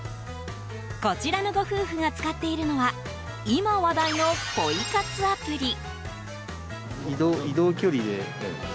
こちらのご夫婦が使っているのは今話題のポイ活アプリ。